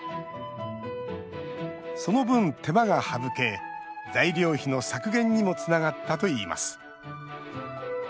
その分、手間が省け材料費の削減にもつながったといいます。